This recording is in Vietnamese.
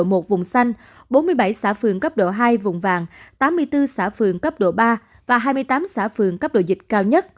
một vùng xanh bốn mươi bảy xã phường cấp độ hai vùng vàng tám mươi bốn xã phường cấp độ ba và hai mươi tám xã phường cấp độ dịch cao nhất